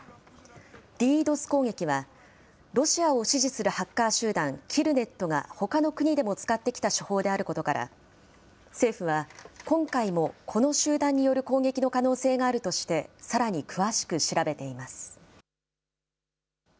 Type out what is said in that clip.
ＤＤｏＳ攻撃は、ロシアを支持するハッカー集団、キルネットがほかの国でも使ってきた手法であることから、政府は、今回もこの集団による攻撃の可能性があるとして、さらに詳しく調べています。